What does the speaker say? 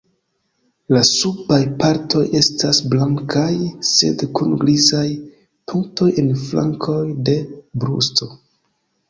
La subaj partoj estas blankaj, sed kun grizaj punktoj en flankoj de brusto.